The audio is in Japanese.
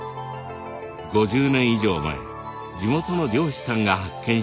５０年以上前地元の漁師さんが発見したといわれています。